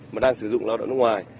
mà đang sử dụng lao động nước ngoài